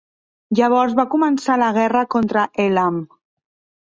Llavors va començar la guerra contra Elam.